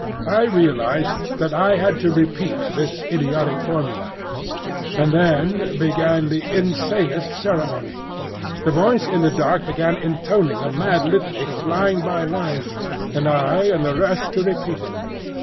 I realised that I had to repeat this idiotic formula; and then began the insanest ceremony. The voice in the dark began intoning a mad litany, line by line, and I and the rest to repeat it.